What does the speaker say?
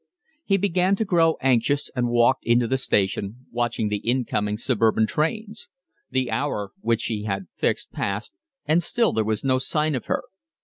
He began to grow anxious, and walked into the station watching the incoming suburban trains; the hour which she had fixed passed, and still there was no sign of her.